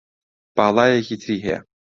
باڵایەکی تری هەیە